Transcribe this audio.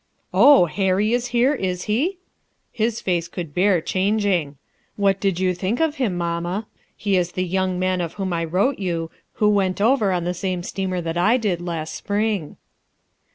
"Oh, Harry is here, is he? His face could bear changing. What did you think of him, mamma? He is the young man of whom I wrote you, who went over on the same steamer that I did, last spring."